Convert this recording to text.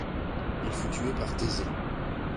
Il fut tué par Thésée.